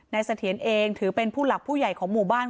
เสถียรเองถือเป็นผู้หลักผู้ใหญ่ของหมู่บ้าน